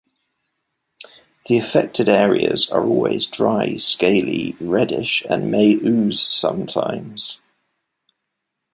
The affected areas are always dry, scaly, reddish and may ooze sometimes.